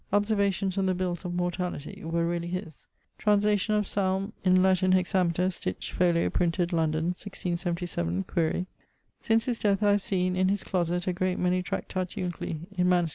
Observations on the Bills of Mortality were really his. Translation of ... Psalme in Latin hexameter, stitch't, folio, printed, London, 1677 (quaere). Since his death I have seen, in his closet, a great many tractatiuncli in MS.